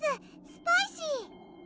スパイシー！